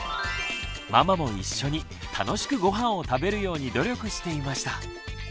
ママも一緒に楽しくごはんを食べるように努力していました。